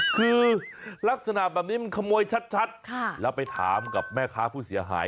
คือลักษณะแบบนี้มันขโมยชัดแล้วไปถามกับแม่ค้าผู้เสียหาย